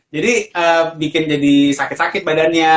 jadi bikin jadi sakit sakit badannya